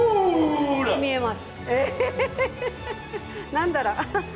何だろう？